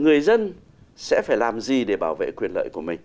người dân sẽ phải làm gì để bảo vệ quyền lợi của mình